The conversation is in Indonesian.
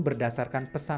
berdasarkan kualitas kain